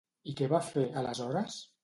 I què va fer, aleshores?